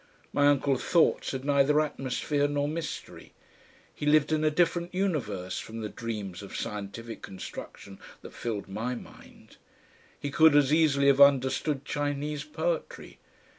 My uncle's thoughts had neither atmosphere nor mystery. He lived in a different universe from the dreams of scientific construction that filled my mind. He could as easily have understood Chinese poetry.